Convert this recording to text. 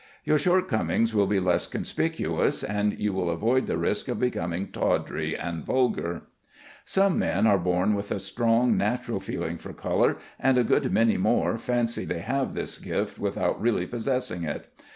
Your shortcomings will be less conspicuous, and you will avoid the risk of becoming tawdry and vulgar. Some men are born with a strong natural feeling for color, and a good many more fancy they have this gift without really possessing it.